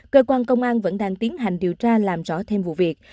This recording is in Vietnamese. cơ quan công an vẫn đang tiến hành điều tra làm rõ thêm vụ việc